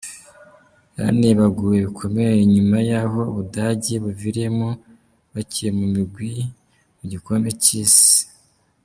Yaranebaguwe bikomeye inyuma y'aho Ubudagi buviriyemwo bakiri mu migwi mu gikombe c'isi.